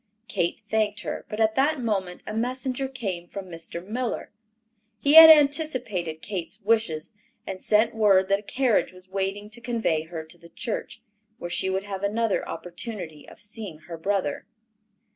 Kate thanked her; but at that moment a messenger came from Mr. Miller. He had anticipated Kate's wishes, and sent word that a carriage was waiting to convey her to the church, where she would have another opportunity of seeing her brother.